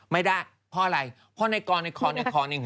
ไม่ได้เพราะอะไรไม่ป็อปว่าไรเพราะไงกอร์ไน้คอร์ไน้คอร์ไน้หอ